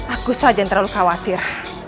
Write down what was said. aku saja yang terlalu khawatir